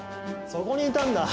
そこにいたんだ。